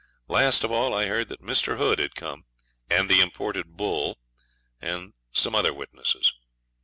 Last of all I heard that Mr. Hood had come, and the imported bull, and some other witnesses.